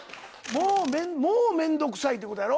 もう面倒くさいってことやろ？